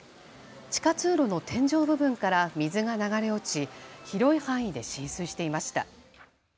地下通路の天井部分から水が流れ落ち広い範囲で浸水していました。